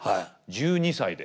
１２歳で。